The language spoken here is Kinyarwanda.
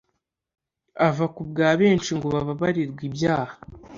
ava ku bwa benshi ngo bababarirwe ibyaha.